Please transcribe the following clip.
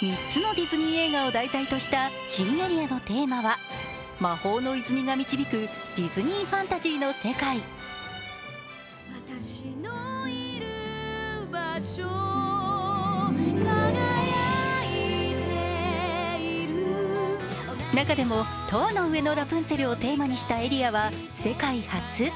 ３つのディズニー映画を題材とした新エリアのテーマは魔法の泉が導くディズニーファンタジーの世界中でも「塔の上のラプンツェル」をテーマにしたエリアは、世界初。